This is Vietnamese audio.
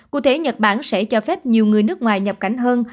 cụ thể nhật bản sẽ cho phép nhiều người nước ngoài nhập cảnh hơn